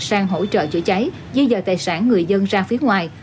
sang hỗ trợ chữa cháy di dời tài sản người dân ra phía ngoài